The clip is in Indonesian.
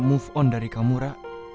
move on dari kamu ra